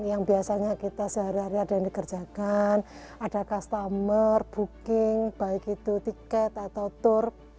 yang biasanya kita sehari hari ada yang dikerjakan ada customer booking baik itu tiket atau tour